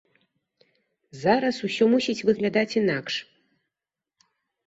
Зараз усё мусіць выглядаць інакш.